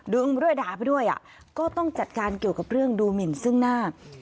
ด้วยด่าไปด้วยก็ต้องจัดการเกี่ยวกับเรื่องดูหมินซึ่งหน้า